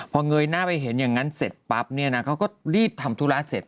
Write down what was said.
พอเงยหน้าไปเห็นอย่างนั้นเสร็จปั๊บเนี่ยนะเขาก็รีบทำธุระเสร็จ